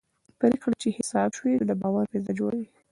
پرېکړې چې حساب شوي وي د باور فضا جوړوي